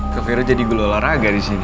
keviro jadi guru olahraga di sini